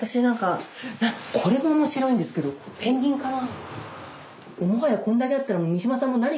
これも面白いんですけどペンギンかな？